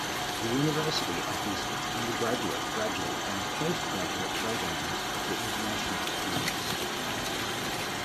The university offers its undergraduate, graduate and postgraduate programs to international students.